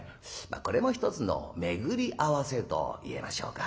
これも一つの巡り合わせと言えましょうか。